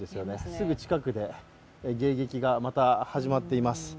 すぐ近くで迎撃がまた始まっています。